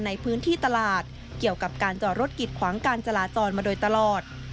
ในพื้นที่ตลาดเกี่ยวกับการจอดรถกิดขวางการจราจรมาโดยตลอด